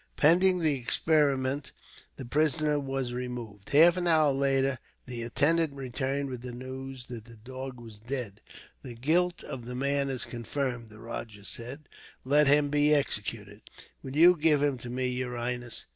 Pending the experiment, the prisoner was removed. Half an hour later, the attendant returned with the news that the dog was dead. "The guilt of the man is confirmed," the rajah said. "Let him be executed." "Will you give him to me, your highness?"